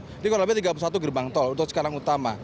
jadi kalau lebih tiga puluh satu gerbang tol untuk cikarang utama